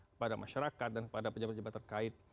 kepada masyarakat dan kepada pejabat pejabat terkait